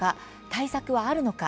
対策はあるのか？